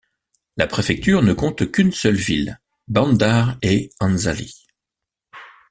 La préfecture ne compte qu'une seule ville: Bandar-e Anzali.